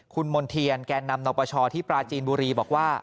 คุณมณ์เทียนแก่นำนปชที่ปราจีนบุรีบอกว่า